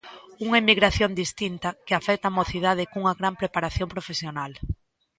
Unha emigración distinta, que afecta á mocidade cunha gran preparación profesional.